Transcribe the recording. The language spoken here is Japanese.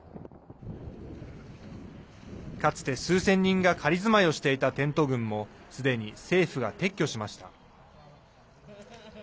かつて数千人が仮住まいをしていたテント群もすでに政府が撤去しました。